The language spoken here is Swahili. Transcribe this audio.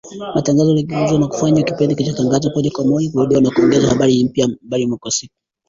Matangazo yaligeuzwa na kufanywa kipindi kilichotangazwa moja kwa moja, , kikirudiwa na kuongezewa habari mpya, mara moja kwa siku